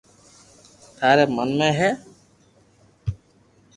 ٿاري من ۾ ھي